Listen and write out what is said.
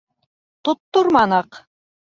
— Тотторманыҡ!